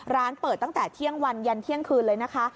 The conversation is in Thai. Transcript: ร้านเปิดตั้งแต่เที่ยงวันยันเที่ยงคืนเลยนะคะ